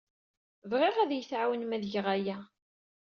Bɣiɣ ad iyi-tɛawnem ad geɣ aya.